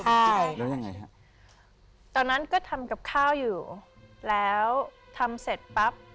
ใช่แล้วยังไงฮะตอนนั้นก็ทำกับข้าวอยู่แล้วทำเสร็จปั๊บ